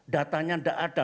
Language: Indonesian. datanya gak ada